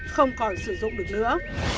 không còn sử dụng được nữa